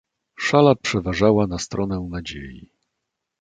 "Szala przeważała na stronę nadziei."